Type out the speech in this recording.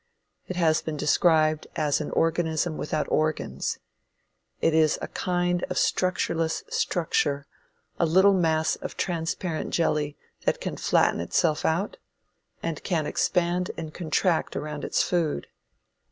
It has been described as "an organism without organs." It is a kind of structureless structure; a little mass of transparent jelly that can flatten itself out, and can expand and contract around its food.